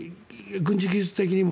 軍事技術的にも。